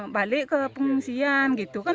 balik ke ke terraankind sini kan